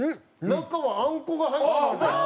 中はあんこが入ってます。